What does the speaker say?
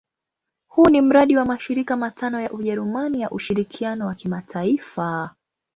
Huu ni mradi wa mashirika matano ya Ujerumani ya ushirikiano wa kimataifa.